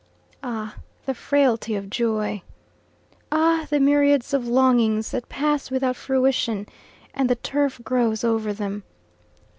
Ah, the frailty of joy! Ah, the myriads of longings that pass without fruition, and the turf grows over them!